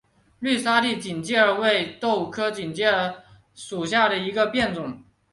绿沙地锦鸡儿为豆科锦鸡儿属下的一个变种。